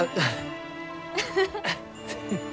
フフフ。